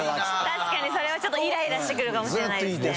確かにそれはちょっとイライラしてくるかもしれないですね。